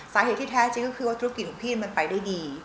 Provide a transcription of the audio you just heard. ซาเหตุที่แท้ก็คือธุรกิจของมันไปได้ดี